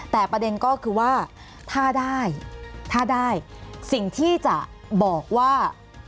แต่ประเด็นก็คือว่าถ้าได้ถ้าได้สิ่งที่จะบอกว่า